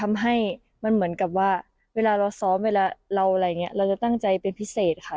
มันเหมือนกับว่าเวลาเราซ้อมแค่ตั้งใจจะเป็นพิเศษค่ะ